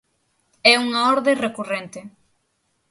É unha orde recorrente.